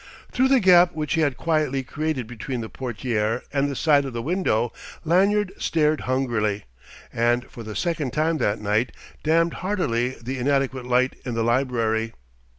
Through the gap which he had quietly created between the portière and the side of the window, Lanyard stared hungrily, and for the second time that night damned heartily the inadequate light in the library.